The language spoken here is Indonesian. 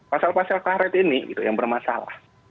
pasal pasal karet ini yang bermasalah